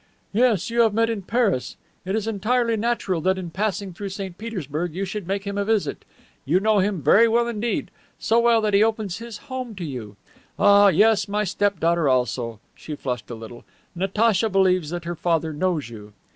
"Yes, you have met in Paris. It is entirely natural that in passing through St. Petersburg you should make him a visit. You know him very well indeed, so well that he opens his home to you. Ah, yes, my step daughter also" she flushed a little "Natacha believes that her father knows you."